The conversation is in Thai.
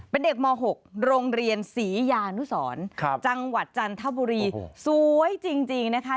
เป็นเด็กม๖โรงเรียนศรียานุสรจังหวัดจันทบุรีสวยจริงนะคะ